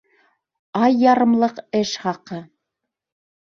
Ай ярымлыҡ эш хаҡы.